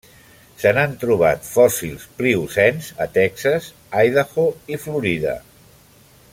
Se n'han trobat fòssils pliocens a Texas, Idaho i Florida.